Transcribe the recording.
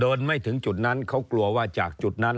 ไม่ถึงจุดนั้นเขากลัวว่าจากจุดนั้น